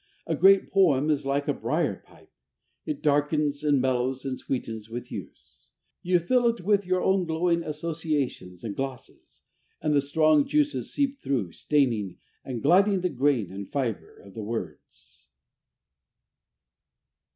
A great poem is like a briar pipe it darkens and mellows and sweetens with use. You fill it with your own glowing associations and glosses, and the strong juices seep through, staining and gilding the grain and fibre of the words.